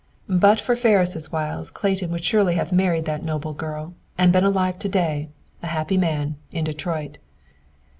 But for Ferris' wiles Clayton would surely have married that noble girl, and been alive to day, a happy man, in Detroit.